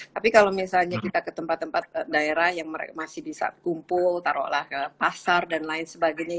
tapi kalau misalnya kita ke tempat tempat daerah yang masih bisa kumpul taruhlah ke pasar dan lain sebagainya